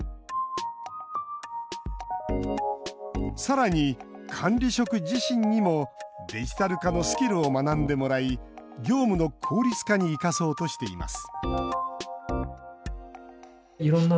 さらに、管理職自身にもデジタル化のスキルを学んでもらい業務の効率化に生かそうとしています